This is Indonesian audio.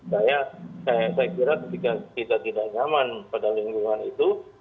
saya kira ketika kita tidak nyaman pada lingkungan itu